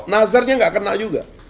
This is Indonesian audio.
nazarnya nggak kena juga